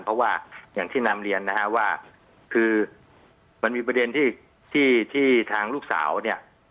เพราะว่าอย่างที่นำเรียนนะฮะว่าคือมันมีประเด็นที่ที่ทางลูกสาวเนี่ย